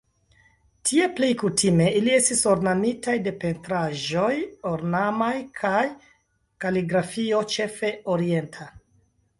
Tie plej kutime ili estis ornamitaj de pentraĵoj ornamaj kaj kaligrafio, ĉefe orienta.